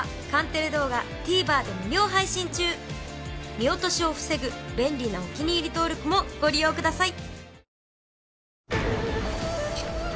見落としを防ぐ便利なお気に入り登録もご利用ください。